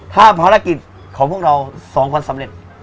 ถ้าภารกิจของพวกเรา๒วันสำเร็จ